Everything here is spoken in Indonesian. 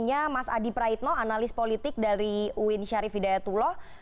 artinya mas adi praitno analis politik dari uin syarif hidayatullah